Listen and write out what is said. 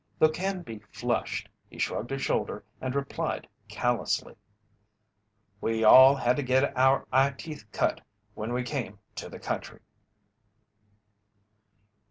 Though Canby flushed, he shrugged a shoulder and replied callously: "We all had to get our eyeteeth cut when we came to the country."